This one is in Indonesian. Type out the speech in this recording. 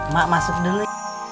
mak masuk dulu